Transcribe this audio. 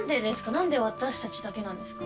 何で私たちだけなんですか？